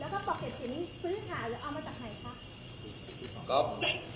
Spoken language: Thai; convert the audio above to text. ครับ